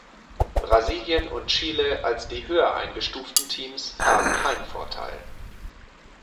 Brasilien und Chile als die höher eingestuften Teams haben Heimvorteil.